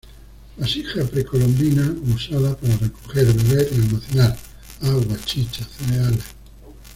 Vasija precolombina usada para recoger, beber y almacenar agua, chicha, cereales.